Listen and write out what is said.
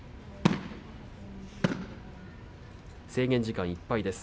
制限時間いっぱいです。